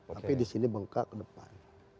tapi di sini bengkak ke depan